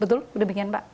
betul sudah begini pak